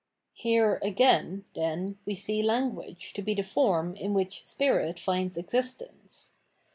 Here again,* then, we see Language to be the form in which spirit finds existence.